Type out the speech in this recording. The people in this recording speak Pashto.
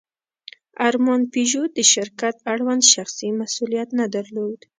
ارمان پيژو د شرکت اړوند شخصي مسوولیت نه درلود.